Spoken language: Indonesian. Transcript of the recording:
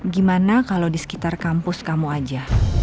gimana kalau di sekitar kampus kamu aja